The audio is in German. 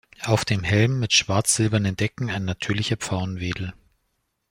Auf dem Helm mit schwarz-silbernen Decken ein natürlicher Pfauenwedel.